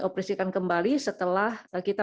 operasikan kembali setelah kita